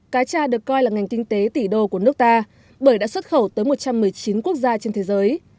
cá tra được coi là ngành kinh tế tỷ đô của nước ta bởi đã xuất khẩu tới một trăm một mươi chín quốc gia trên thế giới